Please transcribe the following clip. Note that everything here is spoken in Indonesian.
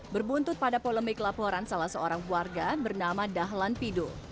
berbuntut pada polemik laporan salah seorang warga bernama dahlan pido